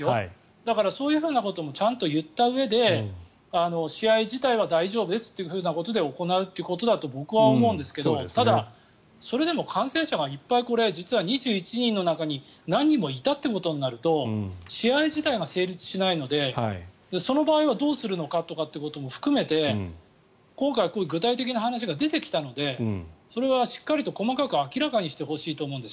だからそういうふうなこともちゃんと言ったうえで試合自体は大丈夫ですということで行うということだと僕は思うんですけどただ、それでも感染者が実は２１人の中に何人もいたとなると試合自体が成立しないのでその場合はどうするのかということも含めて今回、具体的な話が出てきたのでそれはしっかりと細かく明らかにしてほしいと思うんです。